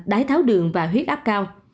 đái tháo đường và huyết áp cao